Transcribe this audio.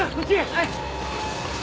はい。